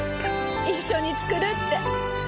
一緒に作るって。